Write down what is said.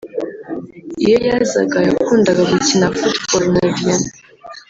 iyo yazaga yakundaga gukina football na Vianney